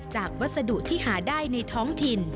วัสดุที่หาได้ในท้องถิ่น